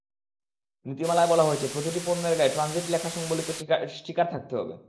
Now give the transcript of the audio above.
নীতিমালায় বলা হয়েছে, প্রতিটি পণ্যের গায়ে ট্রানজিট লেখা-সংবলিত স্টিকার থাকতে হবে।